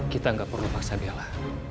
kita gak perlu paksa bella